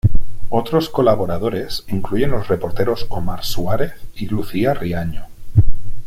Otros colaboradores incluyen los reporteros Omar Suárez y Lucía Riaño.